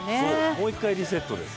もう一回リセットです。